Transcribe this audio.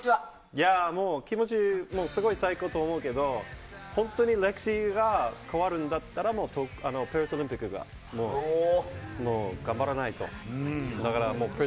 いやぁ、もう、気持ち、すごい最高と思うけど、本当に歴史が変わるんだったら、もうオリンピックがもう頑張らないと。